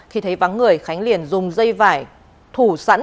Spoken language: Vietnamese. khi thấy vắng người khánh liền dùng dây vải thủ sẵn